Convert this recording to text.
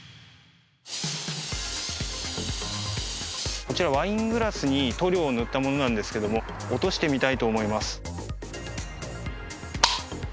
こちら、ワイングラスに塗料を塗ったものなんですけど落としてみたいと思います。